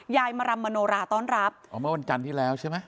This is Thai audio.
ยายมารำมโนราต้อนรับอ๋อเมื่อวันจันทร์ที่แล้วใช่ไหม